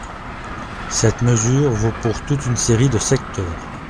Cette mesure vaut pour toute une série de secteurs.